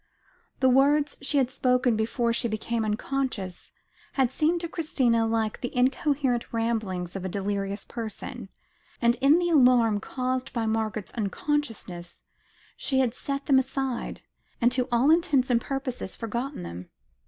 The words she had spoken before she became unconscious, had seemed to Christina like the incoherent ramblings of a delirious person, and in the alarm caused by Margaret's unconsciousness, she had set them aside, and to all intents and purposes forgotten them.